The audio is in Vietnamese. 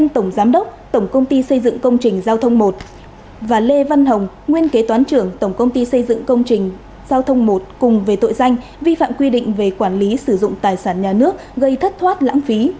tổng giám đốc tổng công ty xây dựng công trình giao thông một và lê văn hồng nguyên kế toán trưởng tổng công ty xây dựng công trình giao thông một cùng về tội danh vi phạm quy định về quản lý sử dụng tài sản nhà nước gây thất thoát lãng phí